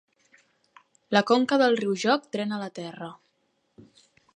La conca del riu Jock drena la terra.